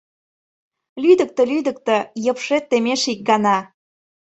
Лӱдыктӧ, лӱдыктӧ, йыпшет темеш ик гана.